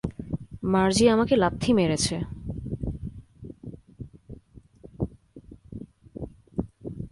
মার্জি আমাকে লাত্থি মেরেছে!